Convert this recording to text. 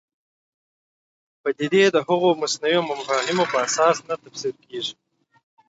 پدیدې د هغو مصنوعي مفاهیمو پر اساس نه تفسیر کېږي.